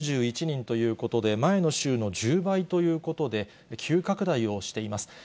きのうは６４１人ということで、前の週の１０倍ということで、急拡大をしています。